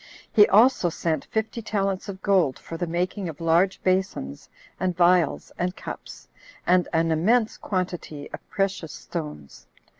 He also sent fifty talents of gold for the making of large basons, and vials, and cups, and an immense quantity of precious stones.